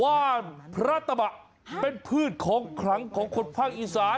ว่านพระตะบะเป็นพืชของขลังของคนภาคอีสาน